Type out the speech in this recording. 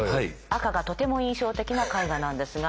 赤がとても印象的な絵画なんですが。